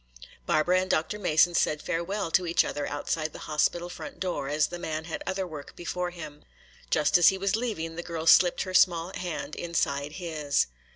Barbara and Dr. Mason said farewell to each other outside the hospital front door, as the man had other work before him. Just as he was leaving the girl slipped her small hand inside his.